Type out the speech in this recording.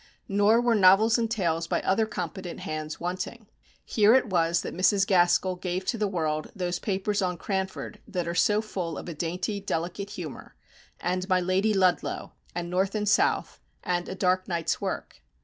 Nor were novels and tales by other competent hands wanting. Here it was that Mrs. Gaskell gave to the world those papers on "Cranford" that are so full of a dainty, delicate humour, and "My Lady Ludlow," and "North and South," and "A Dark Night's Work."